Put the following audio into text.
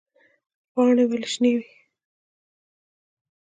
پاڼې ولې شنې وي؟